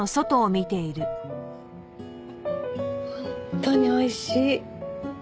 本当においしい。